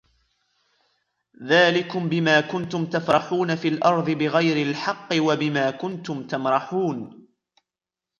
ذلكم بما كنتم تفرحون في الأرض بغير الحق وبما كنتم تمرحون